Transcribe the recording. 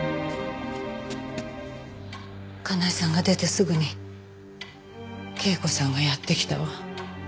かなえさんが出てすぐに恵子さんがやって来たわ。